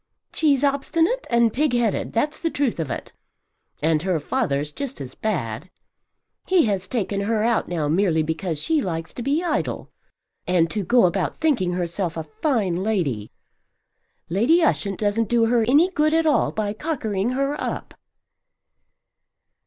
She's obstinate and pigheaded, that's the truth of it. And her father's just as bad. He has taken her out now merely because she likes to be idle, and to go about thinking herself a fine lady. Lady Ushant doesn't do her any good at all by cockering her up."